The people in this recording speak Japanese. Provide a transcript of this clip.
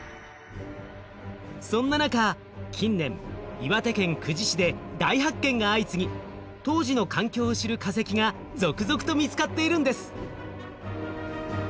そんな中近年岩手県久慈市で大発見が相次ぎ当時の環境を知る化石が続々と見つかっているんです。